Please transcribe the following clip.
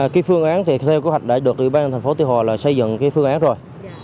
cái phương án thì theo kế hoạch đã được ủy ban thành phố tây hòa là xây dựng cái phương án rồi